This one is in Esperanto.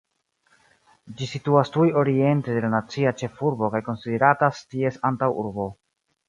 Ĝi situas tuj oriente de la nacia ĉefurbo kaj konsideratas ties antaŭurbo.